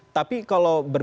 tapi kalau berbicara